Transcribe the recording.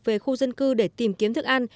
về khu dân cư để tìm kiếm thức ăn